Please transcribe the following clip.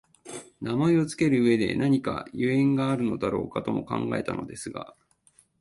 名前をつける上でなにか縁故があるのだろうかとも考えたのですが、